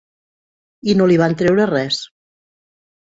I no li van treure res.